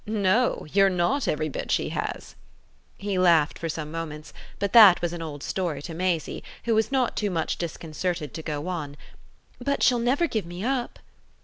"No; you're not every bit she has!" He laughed for some moments, but that was an old story to Maisie, who was not too much disconcerted to go on: "But she'll never give me up."